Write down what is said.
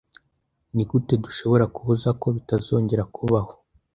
Nigute dushobora kubuza ko bitazongera kubaho?